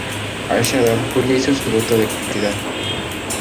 A esa edad Julia hizo su voto de castidad.